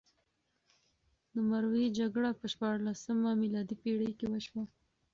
د مروې جګړه په شپاړلسمه میلادي پېړۍ کې وشوه.